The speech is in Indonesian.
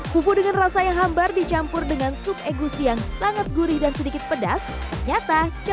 fufu dengan rasa yang hambar dicampur dengan sup egusi yang sangat gurih dan sedikit pedas ternyata cocok bagi selera lidah indonesia